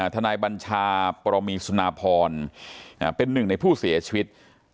ทนายบัญชาปรมีสุนาพรเป็นหนึ่งในผู้เสียชีวิต